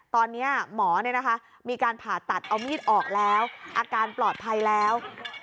ตอนนี้หมอมีการผ่าตัดเอามีดออกแล้วอาการปลอดภัยแล้ว